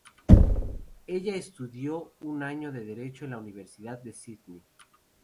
Elle estudió un año de Derecho en la Universidad de Sydney.